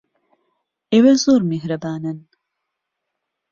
ئێوە زۆر میهرەبانن.